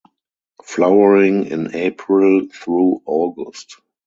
Flowering in April thru August.